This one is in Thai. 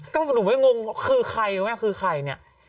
ก็หนูไม่งงคือใครคุณแม่คือใครเนี่ย